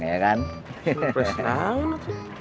surprise apa itu